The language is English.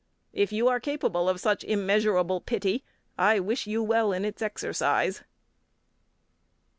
If you are capable of such immeasurable pity, I wish you well in its exercise.